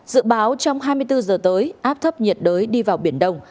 dự báo trong hai mươi bốn giờ tới áp thấp nhiệt đới đi vào biển đông